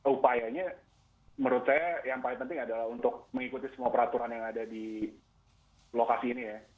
upayanya menurut saya yang paling penting adalah untuk mengikuti semua peraturan yang ada di lokasi ini ya